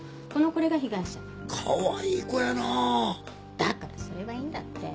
だからそれはいいんだって。